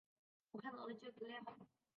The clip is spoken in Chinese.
我看到旧的资料